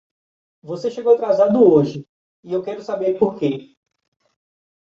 Você chegou atrasado hoje e eu quero saber por quê.